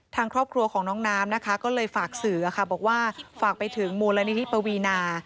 ทางครอบครัวของน้องน้ำนะคะก็เลยฝากสื่อค่ะบอกว่าฝากไปถึงมูลนิธิปวีนา